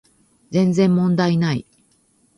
全然問題ない